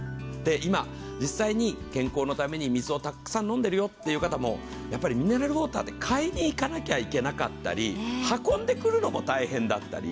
今、実際に健康のために水をたくさん飲んでるよっていう方もやっぱりミネラルウォーターって買いに行かなきゃいけなかったり運んでくるのも大変だったり。